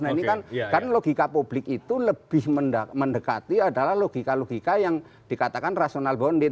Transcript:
nah ini kan logika publik itu lebih mendekati adalah logika logika yang dikatakan rasional bondir